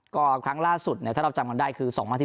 ก็ครั้งล่าสุดเนี่ยถ้าเราจำกันได้คือ